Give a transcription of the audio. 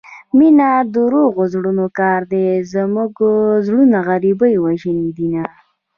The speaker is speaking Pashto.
مينه دروغو زړونو كار دى زموږه زړونه غريبۍ وژلي دينه